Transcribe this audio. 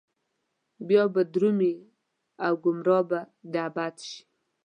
بيا به درومي او ګمراه به د ابد شي